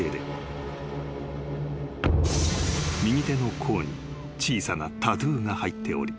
［右手の甲に小さなタトゥーが入っており］